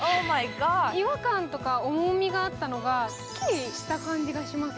違和感とか重みがあったのが、すっきりした感じがしますね。